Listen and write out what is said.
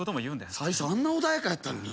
最初あんな穏やかやったのに？